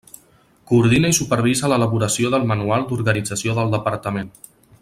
Coordina i supervisa l'elaboració del Manual d'organització del Departament.